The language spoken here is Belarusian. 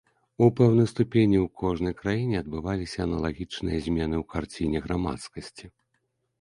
У пэўнай ступені ў кожнай краіне адбыліся аналагічныя змены у карціне грамадскасці.